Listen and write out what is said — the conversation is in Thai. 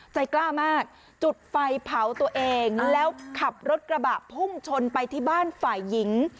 ใจกล้ามากจุดไฟเผาตัวเองแล้วขับรถกระบะพุ่งชนไปที่บ้านฝ่ายหญิง